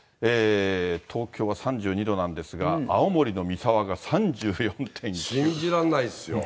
東京は３２度なんですが、信じらんないですよ。